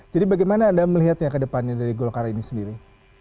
jadi bagaimana anda melihatnya kedepannya dari golkar ini sendiri